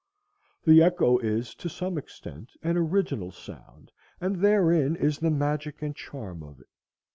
The echo is, to some extent, an original sound, and therein is the magic and charm of it.